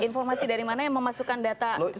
informasi dari mana yang memasukkan data